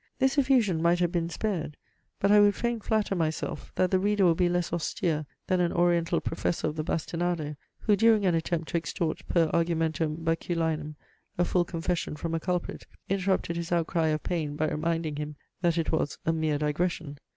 This effusion might have been spared; but I would fain flatter myself, that the reader will be less austere than an oriental professor of the bastinado, who during an attempt to extort per argumentum baculinum a full confession from a culprit, interrupted his outcry of pain by reminding him, that it was "a mere digression!"